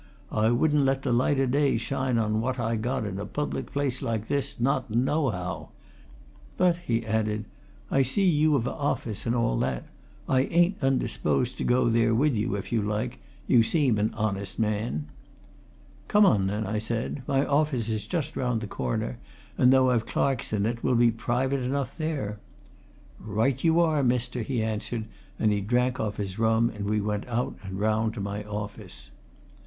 "I wouldn't let the light o' day shine on what I got in a public place like this, not nohow. But," he added, "I see you've a office and all that. I ain't undisposed to go there with you, if you like you seem a honest man." "Come on then," I said. "My office is just round the corner, and though I've clerks in it, we'll be private enough there." "Right you are, mister," he answered, and he drank off his rum and we went out and round to my office.